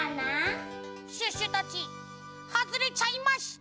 シュッシュたちはずれちゃいました！